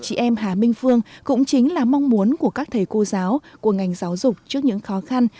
chị em hà minh phương cũng chính là mong muốn của các thầy cô giáo của ngành giáo dục trước những khó khăn